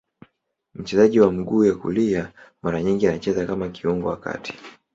Mchezaji wa mguu ya kulia, mara nyingi anacheza kama kiungo wa kati.